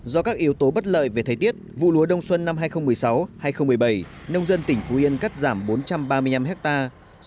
do các yếu tố bất lợi về thời tiết vụ lúa đông xuân năm hai nghìn một mươi sáu hai nghìn một mươi bảy nông dân tỉnh phú yên cắt giảm bốn trăm ba mươi năm hectare